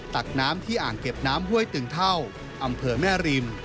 ตักน้ำที่อ่างเก็บน้ำห้วยตึงเท่าอำเภอแม่ริม